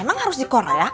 emang harus di korea